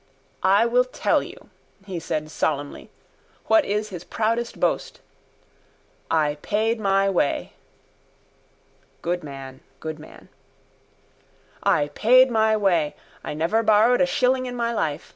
—I will tell you, he said solemnly, what is his proudest boast. I paid my way. Good man, good man. _—I paid my way. I never borrowed a shilling in my life.